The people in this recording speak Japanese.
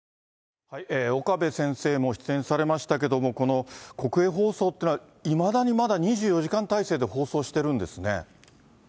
岡部先生も出演されましたけれども、この国営放送っていうのは、いまだにまだ２４時間体制で放送してるんですね。